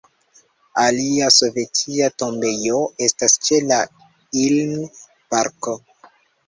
Alia sovetia tombejo estas ĉe la Ilm-parko.